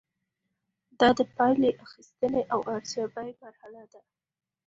دا د پایلې اخیستنې او ارزیابۍ مرحله ده.